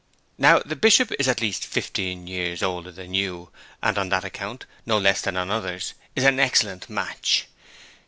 'Now the Bishop is at least fifteen years older than you, and on that account, no less than on others, is an excellent match.